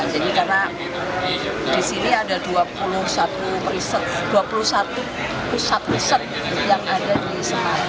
jadi karena di sini ada dua puluh satu pusat riset yang ada di semarang dan jawa tengah